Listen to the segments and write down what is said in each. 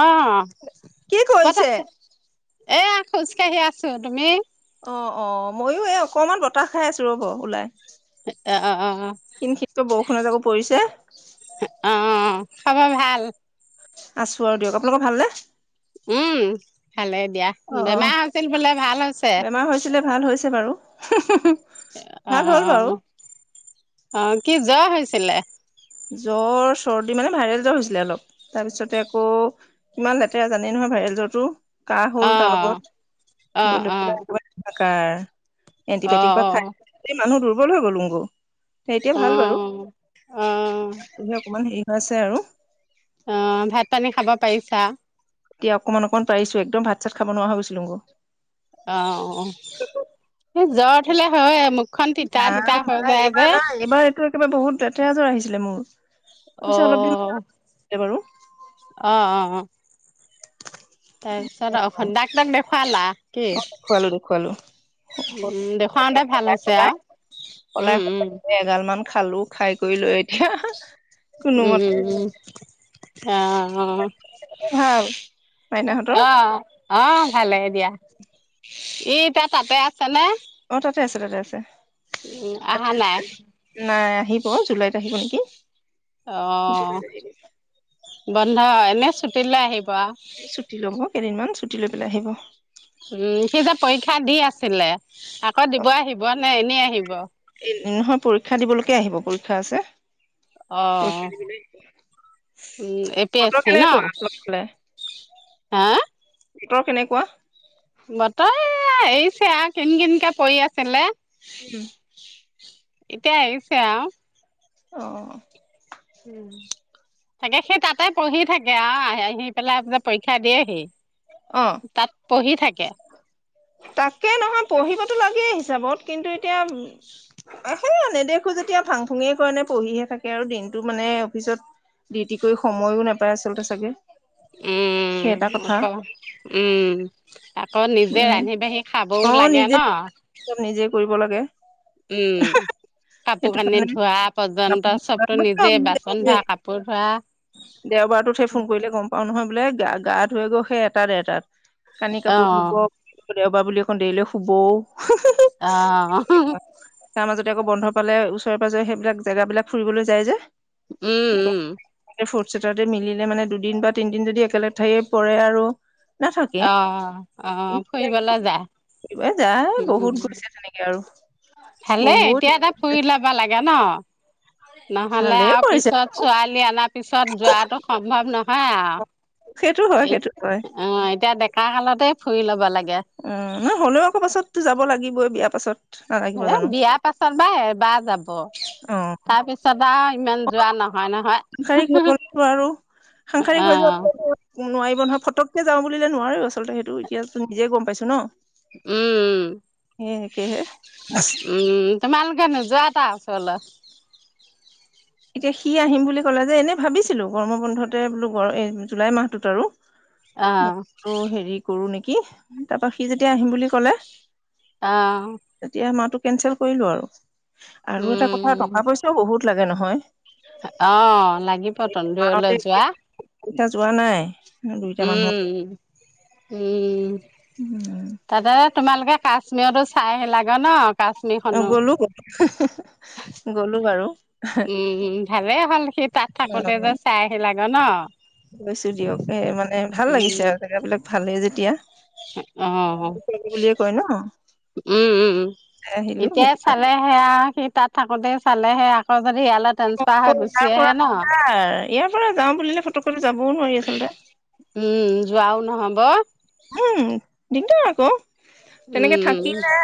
আহ, কি ক'ত কৰিছে? আছে? এয়া খোজ কাঢ়ি আছো, তুমি? অ অ ময়ো এই অকমান বতাহ খাই আছো ৰব ওলাই। অ অ অ। খিন খিনকৈ বৰষুণ এজাক পৰিছে। অ খবৰ ভাল? আছো আৰু দিয়ক, আপোনালোকৰ ভালনে? উম, খালেই দিয়া অ', অ', বেমাৰ হৈছিল বোলে ভাল হৈছে। বেমাৰ হৈছিলে ভাল হৈছে বাৰু, হুম হুম হুম। অ অ অ, কি জ্বৰ হৈছ ছিলে? জ্বৰ চৰ্দি মানে ভাইৰেল জ্বৰ হৈছিলে অলপ, তাৰপিছতে আকৌ কিমান লেতেৰা জানেই নহয় ভাইৰেল জ্বৰটো। কাহ হল অ তাৰ লগত, অ হৈ লৈ অ পেলাই কাৰ অ এণ্টিবায়টিক বা খাই মানুহ দুৰ্বল হৈ গলো। বো এতিয়া অ অ ভাল বাৰু। অ তি অকমান হেৰি হৈ আ ছে আৰু অ ভাত পানী খাব পাৰিচা? এতিয়া অকণমান অকণমান পাৰিছো একদম ভাত চাত খাব নোৱাৰা হৈছিলোগে। অ স জ্বৰ উঠিলে হয় মুখখন তিতা ৰাম তিতা হৈ যায় যে এতিয়া যে আহিছিলে মোৰ। অৱশ্যে অলপ দিন অ আছিলে বাৰু অ অ অ তাৰপিছত অ ডাক ডাক দেখা। ফালা কি দেখুৱালো দেখুৱালো উ সলাই দেখুৱাওতে ভাল হৈছে সলাই আৰু সলাই উম উম সলাই এগাল মান খালো। খাই কৰি ল এতিয়া উম কোনোমতে। উম উম অ অ ভাল মাইনাহঁতৰ আহ আহ ভালে দিয়া। এই তে তাতে আছে। খানা। কি আছেতে আছে। তাতে আছে নাই নাই আহিব। জুলাইত আহিব নেকি? অ জুলাইত আহিব বন্ধা অউ এনেএ ছুটীলৈ আহিবলগা ৱাহ ছুটি ল'ব কেইদিনমান ছুটি লৈ পেলাই আহিব। উম সি যে পৰীক্ষা দি আছিলে। আকৌ দিব এই আহিব নে এনেই আহিব কে আহিব পৰীক্ষা আছে? অ পৰীক্ষা দিবলৈ আহিব উম এ পি এছ বতৰ চি ন কেনেকুৱা আপোনাৰফালে হা। ভিতৰত কেনেকুৱা? বতৰ এৰিছে আৰু কিন কিনকে পৰি আছিলে উম। এতিয়া আহিছে আহ। অ উ তাকে সেই তাতে পঢ়ি থাকে আৰু আহি আহি পেলাই পৰীক্ষা দিয়েহি অ তাত পঢ়ি থাকে তাকে নহয় পঢ়িবতো লাগেই হিচাপত কিন্তু এতিয়া সেই নেদেখো যেতিয়া ভাং ফুঙে কাৰণে পঢ়িহে থাকে আৰু দিনটো মানে অফিচত ডিউটি কৰি সময়ো নাপায় আচলতে চাগে উম সেইটা কথা আকৌ উম আকৌ নিজে মানে ৰান্ধি বাঢ়ি খাবও লাগে ন। দিব লাগে উম কাপোৰ সেইটো কানি কাৰণে ধোৱা পৰ্যন্ত আপুনি চবতো নিজে বাচন ধোৱা কাপোৰ ধোৱা দেওবাৰটোতহে ফোন কৰিলে গম পাও নহয় বোলে গা গা ধুৱে গল সেই এটাত এটাত কানি ক অ ধুব দেওবাৰ বুলি একণ দেৰিলে শুব আহ তেতিয়া আকৌ বন্ধ পালে ওচৰে পাজৰে সেইবিলাক জেগাবিলাক ফুৰিবলৈ যায় যে উম উম চেটাৰদে মিলিলে মানে দুদিন বা তিনদিন যদি একেলগ ঠাইে পৰে আৰু অ অ ফুৰিবলৈ যা ব যাই বহুত গৈছে তেনেকে আৰু ভালে বহুত এতিয়া এটা ফুৰি লবা লাগে ন নহলে ভালেই আৰু কৰিছে পিছত ছোৱালী অনাৰ পিছত যোৱাটো সম্ভৱ নহয় সেইটো হয় আৰু সেইটো হয় অ এতিয়া দে ডেকা কালতে ফুৰি ল'ব লাগে উম নহলেও অকৌ পাছতো যাব লাগিবই বিয়া তাৰপাছত এ বিয়াৰ পাছত বা এবাৰ যাব অ তাৰপিছত আৰু ইমান যোৱা নহয় নহয় সাংসাৰিক হৈ গ আৰু সাংসাৰিক হৈ অ' যোৱা নোৱাৰি ব নহয় ফটকে যাওঁ বুলিলে নোৱাৰো আচলতে সেইটো এতিয়া নিজে গম পাইছো ন উম সেই একেহে উম তোমালোকে নোযোৱা তটা চলত এতিয়া সি আহিম বুলি ক'লে যে এনে ভাবিছিলো কৰ্ম বন্ধতে বোলো জুলাই মাহটোত আৰু অ' মই হেৰি কৰো নেকি কি তাৰ পৰা সি যেতিয়া আহিম বুলি কলে আহ তেতিয়া মাহটো কেনচেল কৰিলো আৰু আৰু এটা কথা উম টকা পইচাও বহুত লাগে নহয় অ লাগিব তন্দলৈ যোৱা এতিয়া যোৱা নাই দুইটা মানুহ উম উম উম তদ তোমালোকে কাশ্মীৰতো চাই আহ লাগে ন অ কাশ্মীৰখনো গ'লো। গ'লো বাৰু উম ভালে হ'ল সি তাত অ থাকোতে যে চাই আহিল লাগে। গ না গৈছো দিয়ক এ মানে ভাল লাগিছে উম আৰু জেগাবলাক ভালেই যেতিয়া অ বুলিয়ে কয় ন উম উম আহিলো এতিয়াই সেইটো কাৰণে। চালে সেয়া সি তাত থাকোতে চ । চালেহে আকৌ যদি ইয়ালৈ ট্ৰেন্সফাৰ মত হৈ কৈ গুচি ইয়াৰ আহে পৰাাৰ ন ইয়াৰ পৰা যাওঁ বুলিলে। ফটককৈ যাবও নোৱাৰি আচলতে উম যোৱা আৰু নহ'ব। উম দিংট কৌ তেনেকে উম থাকিলে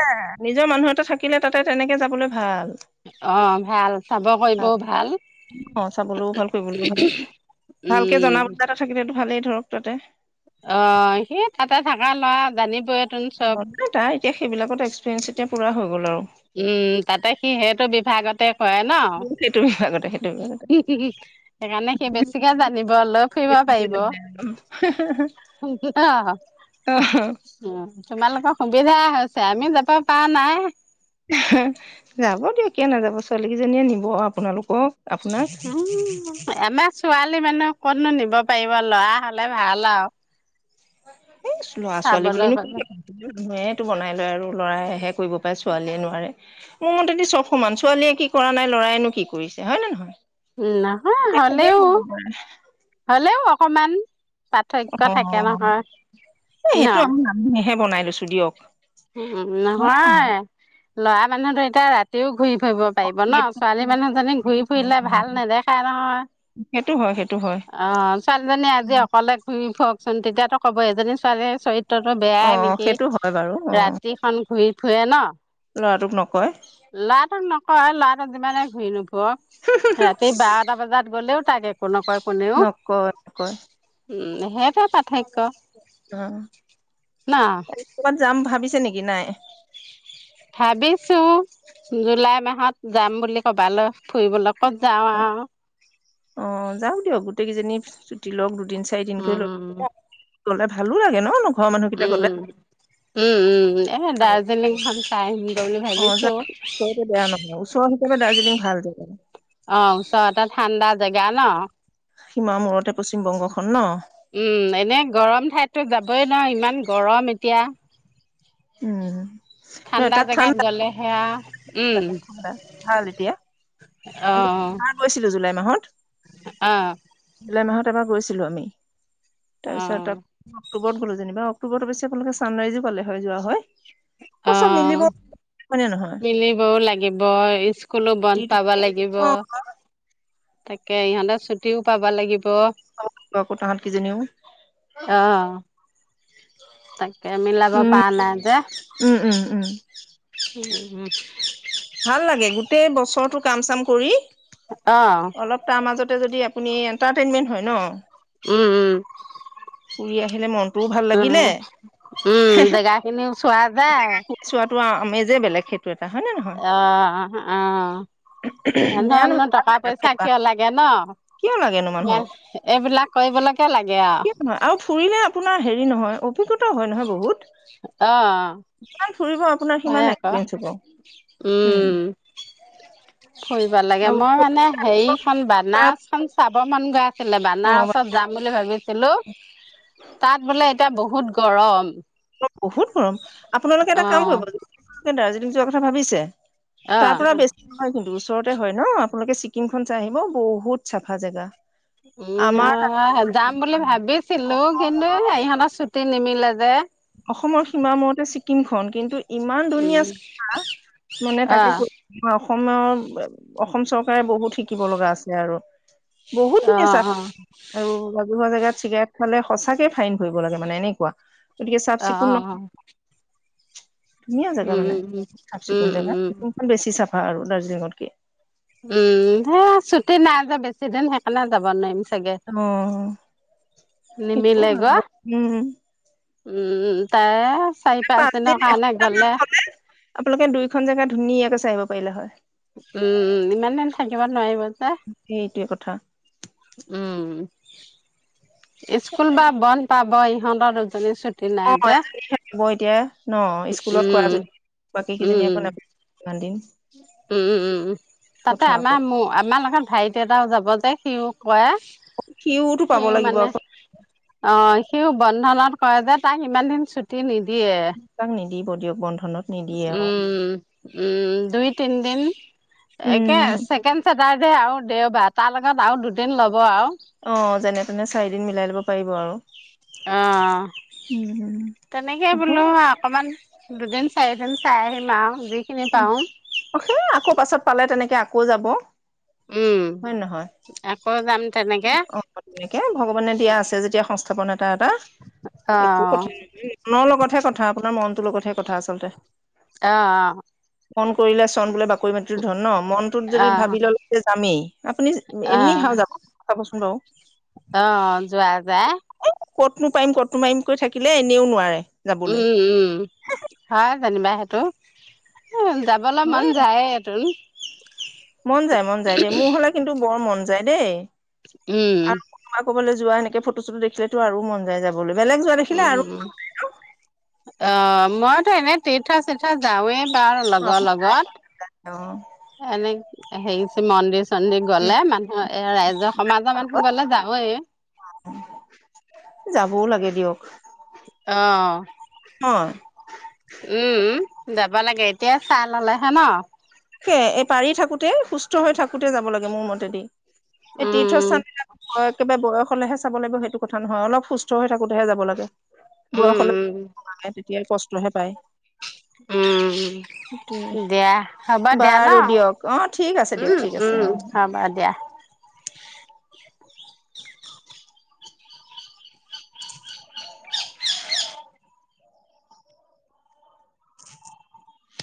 নিজৰ মানুহতে থাকিলে তাতে তেনেকে যাবলৈ ভাল অ ভাল চাব কৰিবও ভাল অ চাবলৈও ভাল কৰিবলৈও ভাল ভালকে জনা উম। বুজা এটা থাকিলেতো ভালেই ধৰক তাতে অ সি তাতে থাকা লৰা জানিবই নাই তাই এতিয়া সেইবিলাকত এক্সপিৰিয়েঞ্চ এতিয়া পুৰা হৈ গ'ল আৰু উম তাতে সি সেইটো বিভাগতে হয় ন সেইটো বিভাগতে সেইটো বিভাগতে সেইকাৰণে সি বেছিকে জানিব। ভাল ফুবা পব অ অ অ তোমালোকৰ সুবিধা সুবিধা হৈছে আমি যাব পৰা নাই যাব দিয়ক কিয় নাযাব ছোৱালী কেইজনীয়ে নিব আপোনালোকক আপোনাক উম আমাৰ ছোৱালী মানহ কতনো নিব পাৰিব ল'ৰা হলে ভাল আৰু এ ল'ৰা ছোৱালী চাবলৈ বুলিনো কি গলে ক মানুহে তটো বনাই লয় আৰু লৰাই হে কৰিব পাৰে ছোৱালীয়ে নোৱাৰে মোৰ মতেদি চব সমান ছোৱালীয়ে কি কৰা নাই লৰায়নো কি কৰিছে হয় নে নহয়। নহয় হলেও হলেও অকমান পাৰ্থক্য অ থাকে নহয় এ সেইটো আমি মানুহে বনাই ছো দিয়ক উহ হয় নে ল'ৰা মানুহতটো এতিয়া ৰাতিও ঘূৰি ফুৰিব পাৰিব ন ছোৱালী নহয় মানুহজনী ঘূৰি ফুৰিলে ভাল নেদেখাই নহয় সেইটো হয় সেইটো হয় অ ছোৱালীজনী আজি অকলে ঘূৰি ফ ককচোন তেতিয়ো ক'ব এজনী ছোৱালীয়ে চৰিত তোটো অ বেয়াই নেকি সেইটো হয় বাৰু অ ৰাতিখন ঘূৰি থুৱে ন ল'ৰাটোক নকয় লাডক নকয় লা যিমানে ঘূৰি নো ক ৰাতি বাৰটা বজাত গ'লেও থাকে কোনোকয় নক নকয় উম সেইটোৱে পাৰ্থক্য ন অ ত ক'বাত যাম ভাবি নেকি নাই ভাবিছো জুলাই মাহত যাম বুলি কবাল অ যাওক দিয়ক গোটেইকেইজনী ছুটি লওক দুদিন চাৰিদিনকৈ ল উম গলে ভালো লাগে ন ঘৰৰ মানুহকেইটা গ'লে উম উম উম উম এ দাৰ্জিলিংখন চাই আহিম দে বুলি অ ভাবিছো যাম ওচৰতে বেয়া নহয় ওচৰ হিচাপে দাৰ্জিলিং ভাল জেগা অ ওচৰতেটা ঠাণ্ডা জেগা ন সীমা মূৰতে পশ্চিম বংগখন ন উম এনে গৰম ঠাইতো যাবই ন ইমান গৰম এতিয়া উম নহয় ঠাণ্ডা তাত জোগাত গলে সেয়া উম ভাল এতিয়া অ আমিাৰ গৈছিলো জুলাই মাহত অ জুলাই মাহত তাৰ পৰা গৈছিলো আমি অ তাৰপিছত ত অক্টোবৰত গাটো যেনিব অ্টোবৰত অশ্যেপোনালোক ছানৰাইজো পালে যোৱা হয় আকৌ অ চব মিলিব হয়নে নহয় মিলিবও লাগিব স্কুলো বন্ধ পাব ভাবা লাগিব অ তাকে ইহঁতে ছুটিও পাব লাগিব আকৌ তাহাঁত কিজনীও অ তাকে মিলাব প উম নাই যে উম উম উম উম অ ভাল লাগে গোটেই বছৰটো কাম চাম কৰি অ অলপ তাৰ মাজতে হয় ন উম উম ফুৰি আহিলে মন উম উম দেগাখিনি সোৱাাদ যেেলেগ খেত্ৰ অ অ বেয়া ধকনো টকা পইচা নহয় কিয় লাগে ন কিয় ম এইবিলাক কৰিব লাগ কি নহয় আৰু ফুৰিলে আপোনাৰ হেৰি নহয় অভিজ্ঞত হয় নহয় বহুত অ যিমান ফুৰিব আপোনাৰ হয় সিমান আকৌ এক্সপিৰিয়েঞ্চ হ'ব উম ফুৰিব লাগে মই আৰু মানে হেৰিখন তাৰ বানছখন চাব অ মন গা ছিলে অ', বানাৰসত যাম বুলি ভাবিছিলো তাত বোলে এতিয়া বহুত গৰম বহুত গৰম আপোনালোকে এটা অ কাম কৰিব যোৱা কথা ভাবিছে অ তাৰ পৰাৰা বেছি হয় কিন্তু ওচৰতে হয় ন আপোনালোকে ছিক্িম খন চাই আহিব বহুত চাফা জেগা উ আমাৰ যাম বুলি ভাবিছিলো কিন্তুহঁতৰ চুট নিমিলতেে অসমৰ সীমা মৰতে ছিকিম খন কিন্তু ইমান ধুনীয়া উম চা মানে তাকে আহ কৈ অসমৰ অসম চৰকাৰে বহুত শিকিব লগা আছে আৰু বহুত ধুনীয়া চ আহ অ ল বিহুৱা জোগাত চিগাৰেট খালে সঁচাক ফাইন কৰিবৰি লাগে মানে এনেকুৱা তিকে চফ অ চিকুণ অ ন অ [inaudible] ধুনীয়া জেগা মানে উম চাফ চিকুণ উম জেগা উম চিকখন বেছি চাফ আৰু দাৰ্জিলিঙত কি উম সে ছুটি নাই যে বেছিদিন সেইকাৰণে যাব নোৱাৰিম চাগে অম সেইটো নিমিলে ভাল গৈ উম উম তাই চাৰি পাঁচ দিনৰ দিন কাৰণে এসপ্তাহ মান গ'লে হলে আপোনালোকে দুইখন জেগা ধুনীয়াকে চাইিব পাৰিলে হয় উম ইমান দিন থাকিব নোৱাৰিব তই সেইটোৱে কথা উম উম স্কুল বা বন্ধ পাব ইহঁতৰ দুয়োজনী ছোৱালী অ এজনী থাকিব এতিয়া ন স্কুলত উম খজনী বাকী কেইজনী একো উম ন ইমান দিন উম উমম তাতে কথা আকৌ আমাৰ ম আমাৰ লগত ভাইটি এটাও যাব সিও কয় অ সিতটো পাব লাগিব আকৌ সি বন্ধনত কয় যে তাক ইমান দিন ছুটি নিদিয় দে তাক নিদিব দিয়ক বন্ধনত নিদিয়ে অ উম উম তি টাই উম দে আৰু দেওবাৰ তাৰ লগত আৰু দুদিন ল'ব আৰু অ যেনে তেনে চাৰিদিন মিলাই লব পাৰিব আৰু অ উম তেনেকে বোলো হয় হ অকমান দুদিন চাৰিদিন চাই আহিম আৰু যিখিনি পাৰো উ সেই আকৌ পাছত পালে তেনেকে আকৌ ক' যাব উম হয় নহয় আকৌ যাম তেনেকে অ তেনেকে ভগৱানে দিয়া আছে যেতিয়াস থাপ নাত এটা এটা অ একো কথা নহয় মনৰ লগত হে কথা আপোনাৰ মনটোৰ লগতহে কথা আচলতে আহ অ ফোন কৰিলে চন বোলে বাকৰি মাটিৰো ধন ন মনটোত অ অ যদি ভাবি ল'লে যে যামেই আপুনি অ এনেই হা যাব কচোন বাৰু অ যোৱা যায় এই ক'তনো পাৰিম ক'তনো পাৰিম কৈ থাকিলে এনেও নোৱাৰে যাবলৈ উম উম হয় জানিবা সেইটো যাবলে মন হয় যায় সেইটোন মন যায় মন যায় দেই মোৰ হ'লে কিন্তু বৰ মন যায় দেই উম আৰু কোনোবা ক'বলৈ যোৱা এনেকে ফটো চটো দেখিলেতো আৰু মন যায় যাবলৈ বেলেগ যোৱা দেখিলে উম আৰু উম উম অ মইতো এনে তীৰ্থ চিৰ্থ যাওঁৱে কাৰ লগৰ অ লগত এনে হেৰি মন্দিৰ চন্দিৰ উম গলে মানুহৰ এ ৰাইজৰ সমাজৰ মানুহ গলে যাৱে যাবও লাগে দিয়ক অ ন উম যাব লাগে এতিয়া চাহ ল'লে হে ন সেয়ে এই পাৰি থাকোতে সুস্থ হৈ থাকোতে যাব লাগে মোৰ মতেদি এই উম তীৰ্থস্থান একেবাৰে বয়স কলেহে চাব লাগে সেইটো কথা নহয় অলপ সুস্থ হৈ থাকোতেহে যাব লাগে উম বয়সলৈ তেতিয়া কষ্টহে পায় উম দিয়া হ'ব দিয়া ন বাৰু দিয়ক অ ঠিক আছে দিয়ক উম ঠিক আছে উম অ। হ'ব দিয়া